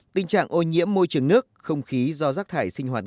tình trạng ô nhiễm môi trường nước không khí do rác thải sinh hoạt